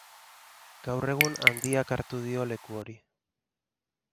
Gaur egun Handiak hartu dio leku hori.